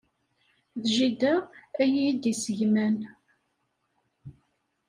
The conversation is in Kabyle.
D jida ay iyi-d-yessegman.